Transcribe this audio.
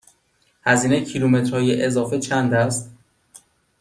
هزینه کیلومترهای اضافه چند است؟